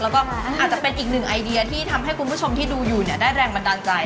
แล้วก็อาจจะเป็นอีกหนึ่งไอเดียที่ทำให้คุณผู้ชมที่ดูอยู่เนี่ยได้แรงบันดาลใจ